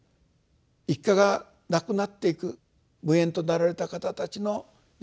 一家が亡くなっていく無縁となられた方たちの安らぐことを祈る